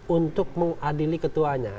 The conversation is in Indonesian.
untuk mengadili ketuanya